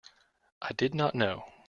I did not know.